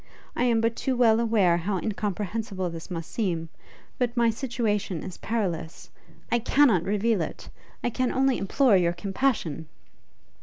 I am but too well aware how incomprehensible this must seem, but my situation is perilous I cannot reveal it! I can only implore your compassion!